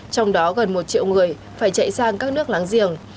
trong đó gần một triệu người phải chạy sang các nước láng giềng